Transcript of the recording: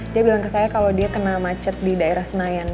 dia bilang ke saya kalau dia kena macet di daerah senayan